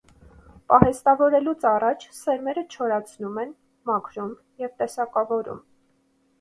Պահեստավորելուց առաջ սերմերը չորացնում են, մաքրում և տեսակավորում։